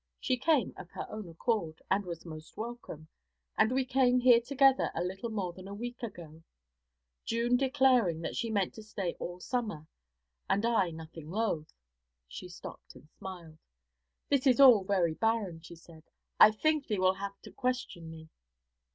She came of her own accord, and was most welcome, and we came here together a little more than a week ago, June declaring that she meant to stay all summer, and I nothing loth.' She stopped and smiled. 'This is all very barren,' she said. 'I think thee will have to question me.'